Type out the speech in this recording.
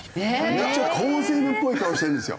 めっちゃ好青年っぽい顔してるんですよ。